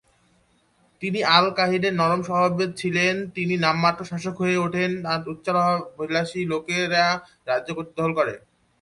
তিনি আল-কাহিরের নরম স্বভাবের ছিলেন, তিনি নামমাত্র শাসক হয়ে ওঠেন, আর উচ্চাভিলাষী লোকেরা রাজ্যে কর্তৃত্ব দখল করে।